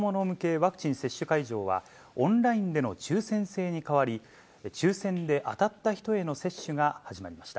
ワクチン接種会場は、オンラインでの抽せん制に変わり、抽せんで当たった人への接種が始まりました。